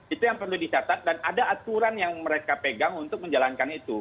itu yang perlu dicatat dan ada aturan yang mereka pegang untuk menjalankan itu